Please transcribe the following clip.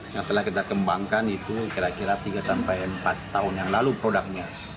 yang telah kita kembangkan itu kira kira tiga sampai empat tahun yang lalu produknya